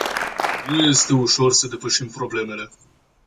Nu este ușor să depășim problemele.